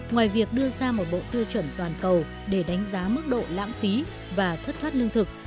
ngoài việc đưa ra một bộ tiêu chuẩn toàn cầu để đánh giá mức độ lãng phí và thất thoát lương thực